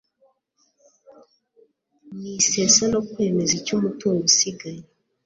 n isesa no kwemeza icyo umutungo usigaye